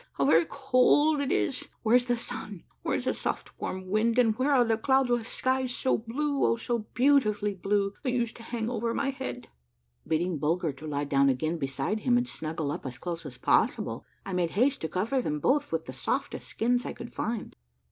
how very cold it is ! Where's the sun ? Where's the soft warm wind, and where are the cloudless skies so blue, oh so beautifully blue, that used to hang over my head ?" Bidding Bulger lie down again beside him and snuggle up as close as possible, I made haste to cover them both with the softest skins I could find.